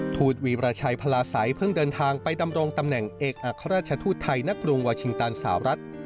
ทูตวีรชัยพลาสัยเพิ่งเดินทางไปดำรงตำแหน่งเอกอัครราชทูตไทยณกรุงวาชิงตันสาวรัฐ